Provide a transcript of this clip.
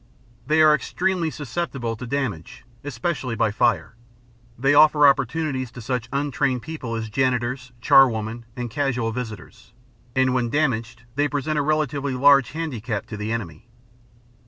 They are extremely susceptible to damage, especially by fire; they offer opportunities to such untrained people as janitors, charwomen, and casual visitors; and, when damaged, they present a relatively large handicap to the enemy.